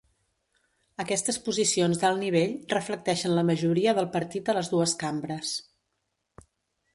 Aquestes posicions d'alt nivell reflecteixen la majoria del partit a les dues cambres.